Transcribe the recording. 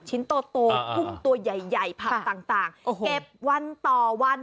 ชิ้นโตโตพุ่งตัวใหญ่ใหญ่ผักต่างต่างโอ้โหเก็บวันต่อวัน